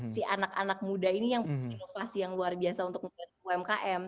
si anak anak muda ini yang inovasi yang luar biasa untuk umkm